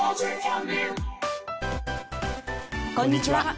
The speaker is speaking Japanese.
こんにちは。